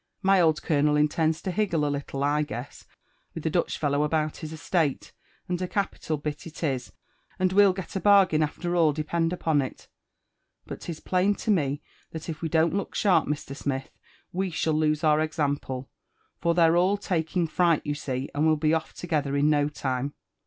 My old colonel intends to higgle a little, I guess, wilh the Dutch fellow about his estate; and a capital bit it is, and we'll get a bargain after all. depend upon it. But 'tis plain to me that if we don't look sharp, Mr. Smith, we^hall lose our example, for they're all taking fright, you see, and will be off together in no time.